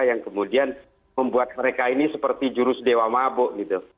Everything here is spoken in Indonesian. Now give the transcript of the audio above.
yang kemudian membuat mereka ini seperti jurus dewa mabuk